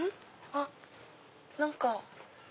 あっ何か。